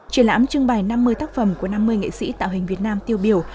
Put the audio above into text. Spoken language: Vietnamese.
triển lãm trưng bày năm mươi tác phẩm của năm mươi nghệ sĩ tạo hình việt nam tiêu biểu